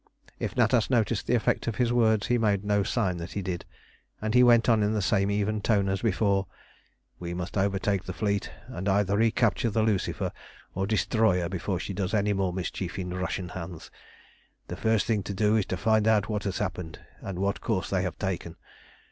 If Natas noticed the effect of his words he made no sign that he did, and he went on in the same even tone as before "We must overtake the fleet, and either recapture the Lucifer or destroy her before she does any more mischief in Russian hands. The first thing to do is to find out what has happened, and what course they have taken.